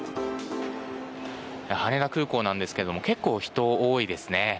羽田空港なんですが結構、人多いですね。